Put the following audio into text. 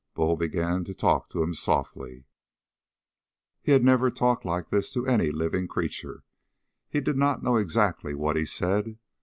Bull began to talk to him softly. He had never talked like this to any living creature. He did not know exactly what he said.